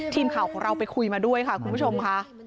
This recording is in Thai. ทีมข่าวของเราไปคุยมาด้วยค่ะคุณผู้ชมค่ะ